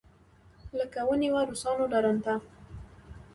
لکه ونېوه روسانو درونټه.